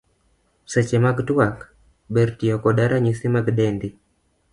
Seche mag twak, ber tiyo koda ranyisi mag dendi.